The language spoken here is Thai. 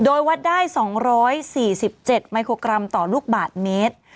โดยวัดได้สองร้อยสี่สิบเจ็ดไมโครกรัมต่อลูกบาทเมตร